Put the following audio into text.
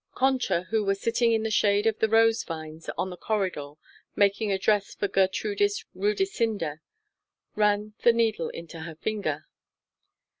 Concha, who was sitting in the shade of the rose vines on the corridor making a dress for Gertrudis Rudisinda, ran the needle into her finger.